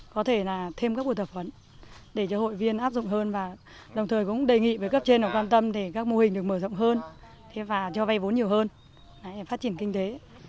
có thể là thêm các buổi tập huấn để cho hội viên áp dụng hơn và đồng thời cũng đề nghị với cấp trên quan tâm để các mô hình được mở rộng hơn và cho vay vốn nhiều hơn phát triển kinh tế